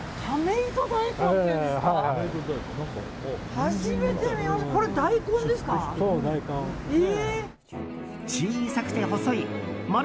初めて見ました。